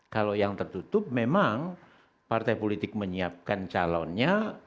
kalau yang tertutup memang partai politik menyiapkan calonnya